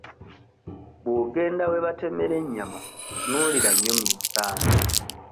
Bw'ogenda we batemera ennyama tunuulira nnyo minzaani.